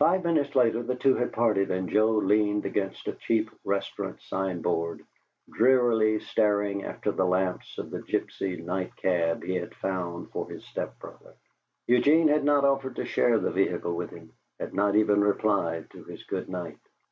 Five minutes later the two had parted, and Joe leaned against a cheap restaurant sign board, drearily staring after the lamps of the gypsy night cab he had found for his step brother. Eugene had not offered to share the vehicle with him, had not even replied to his good night.